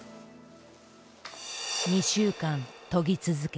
２週間研ぎ続け。